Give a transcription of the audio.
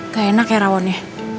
gak enak ya rawonnya